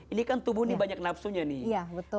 ini kan tubuh ini banyak nafsunya nih